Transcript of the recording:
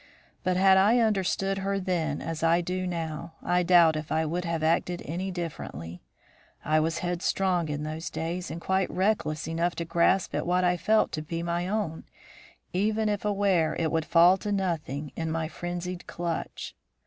But had I understood her then as I do now, I doubt if I would have acted any differently. I was headstrong in those days and quite reckless enough to grasp at what I felt to be my own, even if aware it would fall to nothing in my frenzied clutch.